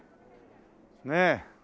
ねえ。